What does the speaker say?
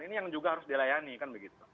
ini yang juga harus dilayani kan begitu